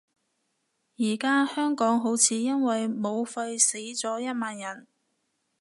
而家香港好似因為武肺死咗一萬人